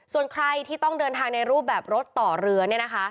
ส่วนใครที่ต้องเดินทางในรูปแบบรถต่อเรือเนี่ยนะคะ